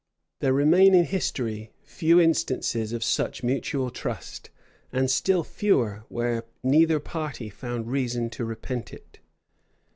There remain in history few instances of such mutual trust; and still fewer where neither party found reason to repent it.